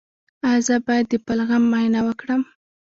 ایا زه باید د بلغم معاینه وکړم؟